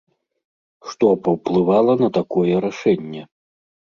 Што паўплывала на такое рашэнне?